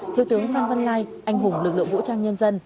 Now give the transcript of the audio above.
thiếu tướng phan văn lai anh hùng lực lượng vũ trang nhân dân